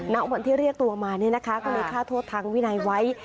ณวันที่เรียกตัวมาเนี่ยนะคะก็เลยฆ่าโทษทางวินัยไว้